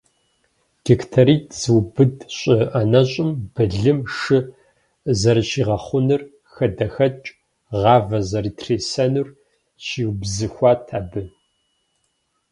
Гектаритӏ зыубыд щӏы ӏэнэщӏым былым, шы зэрыщигъэхъунур, хадэхэкӏ, гъавэ зэрытрисэнур щиубзыхуат абы.